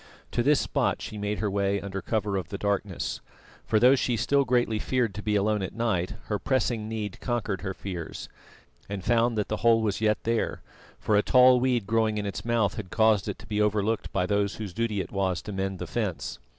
To this spot she made her way under cover of the darkness for though she still greatly feared to be alone at night, her pressing need conquered her fears and found that the hole was yet there, for a tall weed growing in its mouth had caused it to be overlooked by those whose duty it was to mend the fence.